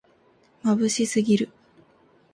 まぶしすぎる